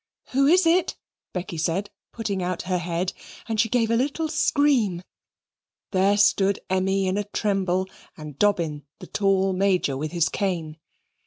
"Who is it?" Becky said, putting out her head, and she gave a little scream. There stood Emmy in a tremble, and Dobbin, the tall Major, with his cane.